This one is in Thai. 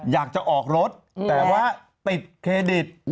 อยากจะออกรถแต่ว่าติดเครดิต